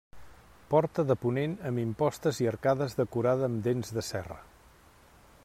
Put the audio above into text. Porta de ponent amb impostes i arcades decorada amb dents de serra.